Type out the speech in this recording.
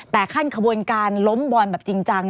แต่ขั้นขบวนการล้มบอลแบบจริงจัง